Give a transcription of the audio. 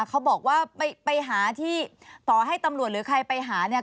เขาบอกว่าไปหาที่ต่อให้ตำรวจหรือใครไปหาเนี่ย